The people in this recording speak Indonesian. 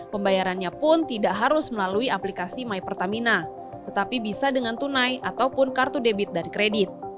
pembayarannya pun tidak harus melalui aplikasi my pertamina tetapi bisa dengan tunai ataupun kartu debit dan kredit